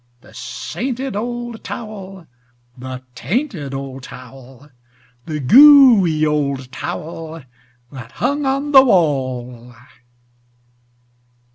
The sainted old towel, the tainted old towel, The gooey old towel that hung on the wall.